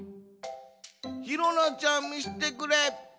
ひろなちゃんみしてくれ。